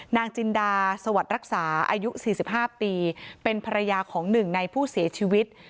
นางจินดาสวัสดิ์รักษาอายุ๔๕ปีเป็นภรรยาของหนึ่งในผู้เสียชีวิต